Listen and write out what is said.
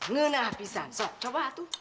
ngenah bisa sok coba atu